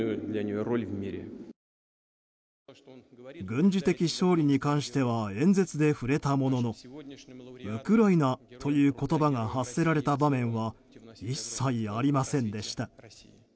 軍事的勝利に関しては演説で触れたもののウクライナという言葉が発せられた場面は一切ありませんでした。